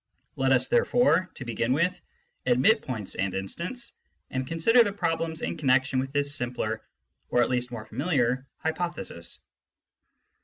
Let us therefore, to begin with, admit points and instants, and consider the problems in con nection with this simpler or at least more familiar hypothesis.